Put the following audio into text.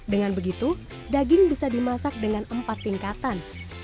dengan begitu daging bisa dimasak dengan empat tingkatan